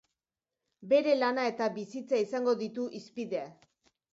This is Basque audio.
Bere lana eta bizitza izango ditu hizpide.